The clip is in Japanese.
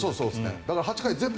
だから８回全部。